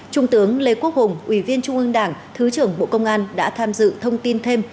trung tướng lê quốc hùng ủy viên trung ương đảng thứ trưởng bộ công an đã tham dự thông tin thêm